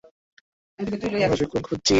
আমরা শূকর খুঁজছি।